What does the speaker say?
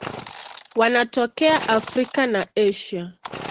Wanatokea Afrika na Asia.